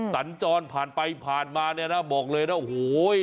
สัญจรผ่านไปผ่านมาเนี่ยนะบอกเลยนะโอ้โห